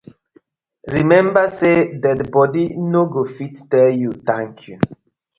Remmeber say dead bodi no go fit tell yu tank yu.